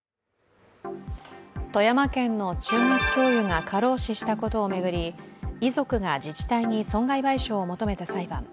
富山県の中学教諭が過労死したことを巡り、遺族が自治体に損害賠償を求めた裁判。